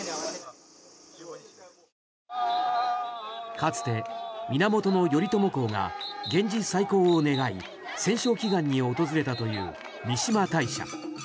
かつて源頼朝公が源氏再興を願い戦勝祈願に訪れたという三嶋大社。